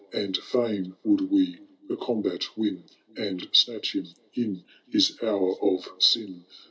And fisdn would we the combat win. And snatch him in his hour of sin.